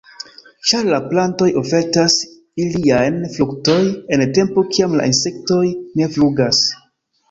Ĉar la plantoj ofertas iliajn fruktoj en tempo kiam la insektoj ne flugas.